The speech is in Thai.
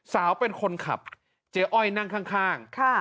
สาวเป็นคนขับเจ๊อ้อยนั่งข้าง